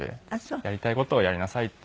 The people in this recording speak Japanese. やりたい事をやりなさいって。